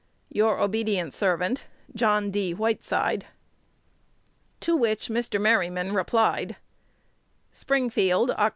Your obedient servant, John D. Whiteside. To which Mr. Merryman replied: Springfield, Oct.